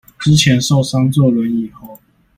之前受傷坐輪椅後